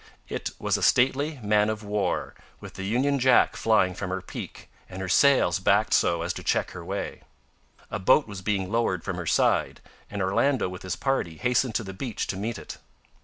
It was a stately man of war, with the Union Jack flying from her peak, and her sails backed so as to check her way. A boat was being lowered from her side, and Orlando with his party hastened to the beach to meet it.